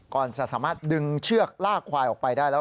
ก่อนจะสามารถดึงเชือกลากควายออกไปได้แล้ว